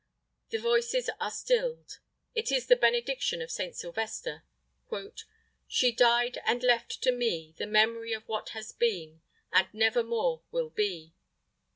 The voices are stilled. It is the benediction of Saint Sylvester: "She died and left to me ... The memory of what has been, And nevermore will be."